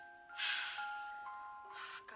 kebangunan suyszang lalu